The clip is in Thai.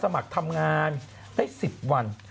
เพิ่งมาสมัครทำงานได้๑๐วัน